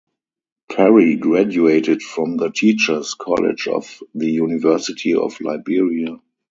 Perry graduated from the Teachers College of the University of Liberia.